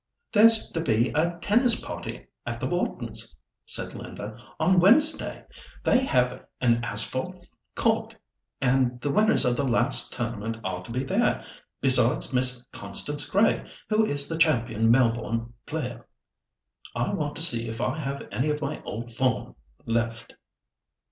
"There's to be a tennis party at the Whartons'," said Linda, "on Wednesday. They have an asphalte court, and the winners of the last tournament are to be there, besides Miss Constance Grey, who is the champion Melbourne player. I want to see if I have any of my old form left."